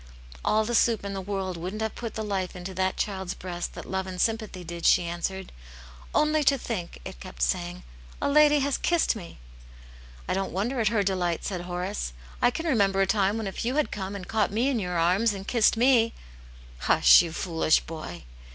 " All the soup in the world wouldn't have put the life into that child's breast that love and sympathy did," she answered. " Only to think !" it kept saying, "a lady has kissed me !" ''I don't wonder at her deWghtJ' s^aA Hox^ce. " I Atmt Jane's Hero. 123 can remember a time when if you had come and caught me in your arms and kissed me " "Hush, you foolish boy!